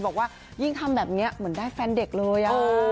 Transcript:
บอกว่ายิ่งทำแบบนี้เหมือนได้แฟนเด็กเลย